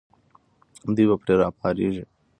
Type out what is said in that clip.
دوی به پرې راپارېږي.